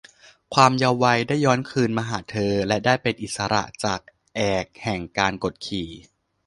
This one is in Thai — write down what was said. ความเยาว์วัยได้ย้อนคืนมาหาเธอและได้เป็นอิสระจากแอกแห่งการกดขี่